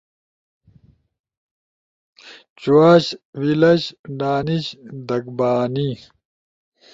چُواش، ویلش، ڈانیش، دھگبانی